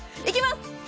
いきます。